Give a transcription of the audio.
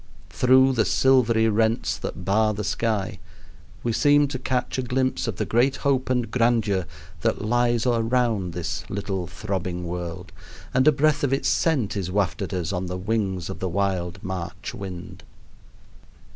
Through the silvery rents that bar the sky we seem to catch a glimpse of the great hope and grandeur that lies around this little throbbing world, and a breath of its scent is wafted us on the wings of the wild March wind.